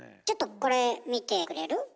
ちょっとこれ見てくれる？